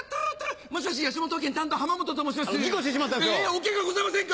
おケガはございませんか？